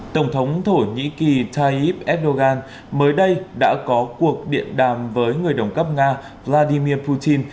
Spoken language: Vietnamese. tổng thống thổ nhĩ kỳ tayyip erdogan mới đây đã có cuộc điện đàm với người đồng cấp nga vladimir putin